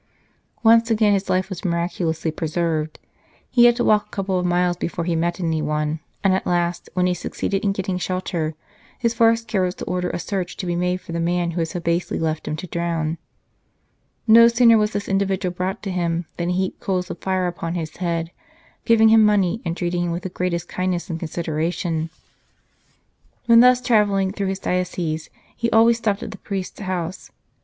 Once again his life was miraculously preserved. He had to walk a couple of miles before he met anyone, and at last, when he succeeded in getting shelter, his first care was to order a search to be made for the man who had so basely left him to drown. No sooner was this individual brought to him, than he heaped coals of fire upon his head, giving him money, and treating him with the greatest kindness and consideration. When thus travelling through his diocese, he always stopped at the priest s house.